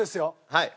はい。